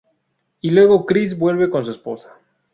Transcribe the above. Y luego Chris vuelve con su esposa.